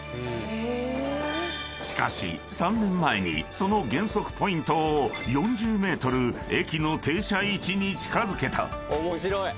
［しかし３年前にその減速ポイントを４０ｍ駅の停車位置に近づけた］